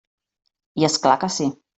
I és clar que sí!